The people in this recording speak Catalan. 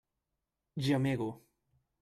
Gemego.